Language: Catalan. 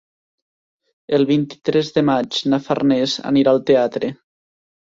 El vint-i-tres de maig na Farners anirà al teatre.